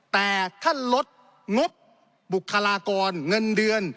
แต่ท่านลดงบบุคลากรเงินเดือน